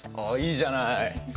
あっいいじゃない。